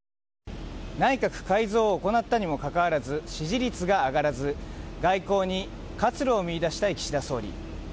内閣改造を行ったにもかかわらず、支持率が上がらず、外交に活路を見いだしたい岸田総理。